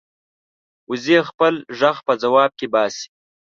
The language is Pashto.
وزې خپل غږ په ځواب کې باسي